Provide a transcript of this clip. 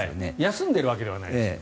休んでるわけではないですよね。